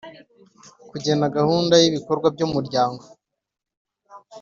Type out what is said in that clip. Kugena gahunda y ibikorwa by Umuryango